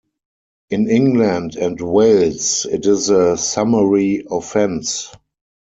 In England and Wales, it is a summary offence.